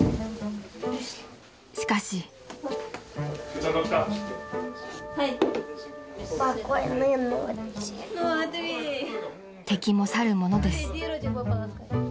［しかし］［敵もさるものです］